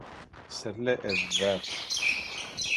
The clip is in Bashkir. Серле эҙҙәр